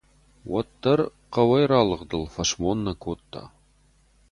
Уӕддӕр хъӕуӕй ралыгъдыл фӕсмон нӕ кодта.